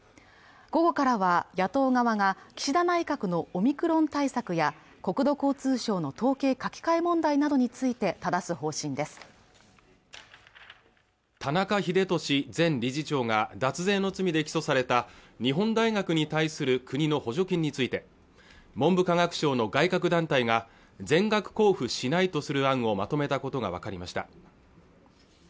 午後からは野党側が岸田内閣のオミクロン対策や国土交通省の統計書き換え問題などについてただす方針です田中英寿前理事長が脱税の罪で起訴された日本大学に対する国の補助金について文部科学省の外郭団体が全額交付しないとする案をまとめたことが分かりました